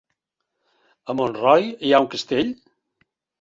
A Montroi hi ha un castell?